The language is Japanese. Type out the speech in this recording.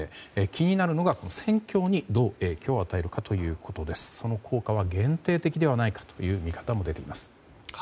気になるのが、戦況にどう影響を与えるかということですがその効果は限定的ではないかという見方も出ています。